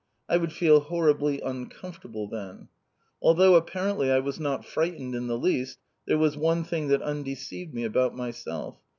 I would feel horribly uncomfortable then. Although apparently I was not frightened in the least, there was one thing that undeceived me about myself.